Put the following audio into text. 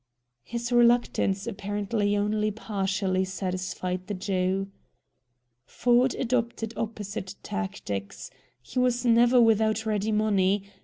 His reluctance apparently only partially satisfied the Jew. Ford adopted opposite tactics. He was never without ready money.